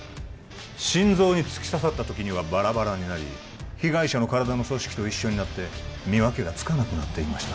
心臓に突き刺さった時にはバラバラになり被害者の体の組織と一緒になって見分けがつかなくなっていました